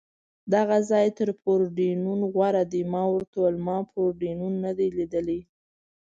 دغه ځای تر پورډېنون غوره دی، ما ورته وویل: ما پورډېنون نه دی لیدلی.